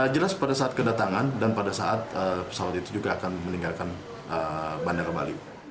jelas pada saat kedatangan dan pada saat pesawat itu juga akan meninggalkan bandara bali